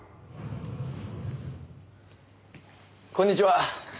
こんにちは。